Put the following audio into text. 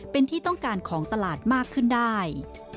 เป็นที่ต้องการของตลาดมากขึ้นได้